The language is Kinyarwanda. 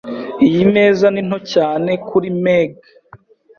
Iyi meza ni nto cyane kuri Meg.